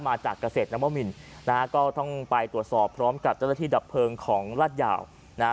มาจากเกษตรนวมินนะฮะก็ต้องไปตรวจสอบพร้อมกับเจ้าหน้าที่ดับเพลิงของลาดยาวนะฮะ